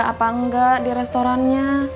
apa enggak di restorannya